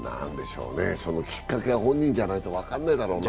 そのきっかけは本人じゃないと分かんないだろうな。